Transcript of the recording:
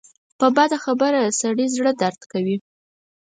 په بده خبره د سړي زړۀ دړد کوي